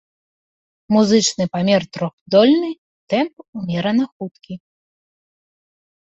Музычны памер трохдольны, тэмп умерана хуткі.